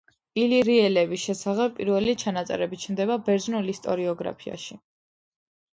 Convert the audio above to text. ილირიელების შესახებ პირველი ჩანაწერები ჩნდება ბერძნულ ისტორიოგრაფიაში.